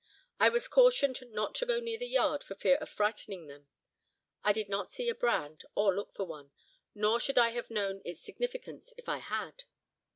I was cautioned not to go near the yard for fear of frightening them. I did not see a brand, or look for one—nor should I have known its significance if I had.